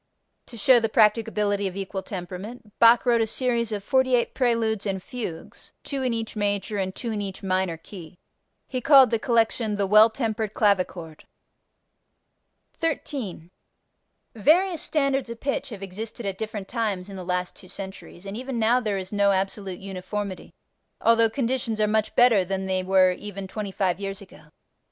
To show the practicability of equal temperament Bach wrote a series of 48 preludes and fugues, two in each major and two in each minor key. He called the collection "The Well tempered Clavichord." 13. Various standards of pitch have existed at different times in the last two centuries, and even now there is no absolute uniformity although conditions are much better than they were even twenty five years ago.